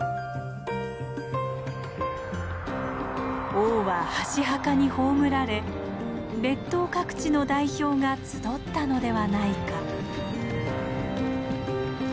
王は箸墓に葬られ列島各地の代表が集ったのではないか。